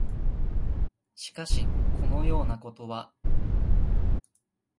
しかし、このようなことは、